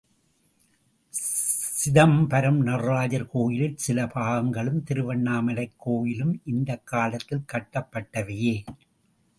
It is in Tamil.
சிதம்பரம் நடராஜர் கோயிலின் சில பாகங்களும், திருவண்ணாமலைக் கோயிலும் இந்தக் காலத்தில் கட்டப்பட்டவையே.